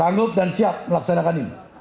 sanggup dan siap melaksanakan ini